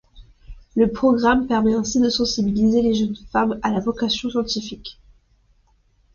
Le programme permet ainsi de sensibiliser les jeunes femmes à la vocation scientifique.